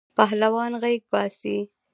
پهلوان غیږ باسی.